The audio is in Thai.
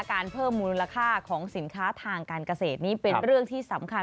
การเพิ่มมูลค่าของสินค้าทางการเกษตรนี้เป็นเรื่องที่สำคัญ